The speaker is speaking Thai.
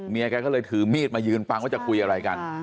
แกก็เลยถือมีดมายืนฟังว่าจะคุยอะไรกัน